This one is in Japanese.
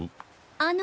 あの。